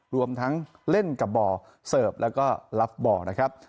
รวมทั้งเล่นกับบ่อเสิร์ฟแล้วก็ลับบ่อนะครับ